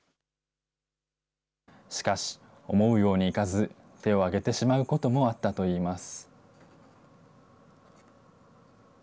しかし、思うようにいかず、手を上げてしまうこともあったといいます。